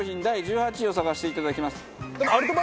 第１８位を探していただきます。